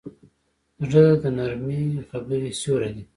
زړه د نرمې خبرې سیوری دی.